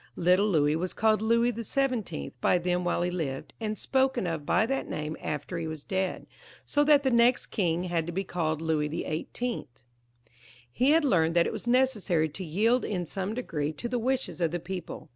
Little Louis was called Louis XVII. by them while he lived, and spoken of by that name after he was dead, so that the next king had to be called Louis XVIIL He had learned that it was necessary to yield in some degree to the wishes of the people.